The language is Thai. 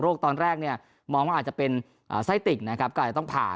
ตอนแรกเนี่ยมองว่าอาจจะเป็นไส้ติ่งนะครับก็อาจจะต้องผ่า